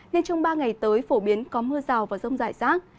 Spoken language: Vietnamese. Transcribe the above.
nên trong ba ngày tới phổ biến có mưa rào và rông rải rác